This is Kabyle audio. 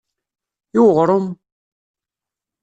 I uɣrum?